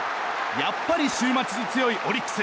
やっぱり週末に強いオリックス。